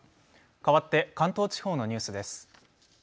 かわって関東地方のニュースです。